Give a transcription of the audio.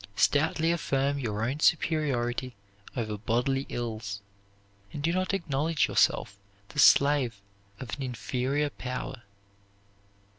Stoutly affirm your own superiority over bodily ills, and do not acknowledge yourself the slave of an inferior power.